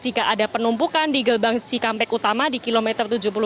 jika ada penumpukan di gerbang cikampek utama di kilometer tujuh puluh empat